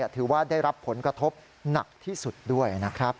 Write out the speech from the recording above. ถือว่าได้รับผลกระทบหนักที่สุดด้วยนะครับ